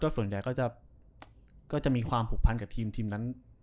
ส่วนใหญ่ก็จะมีความผูกพันกับทีมนั้น